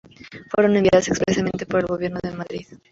Fueron enviados expresamente por el Gobierno de Madrid.